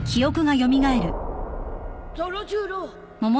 ゾロ十郎